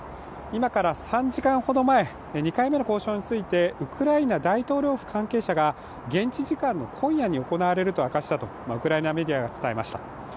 今から３時間ほど前、２回目の交渉についてウクライナ大統領府関係者が現地時間の今夜に行われると明かしたとウクライナメディアが伝えました。